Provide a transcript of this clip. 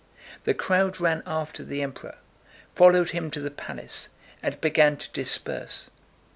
The crowd ran after the Emperor, followed him to the palace, and began to disperse.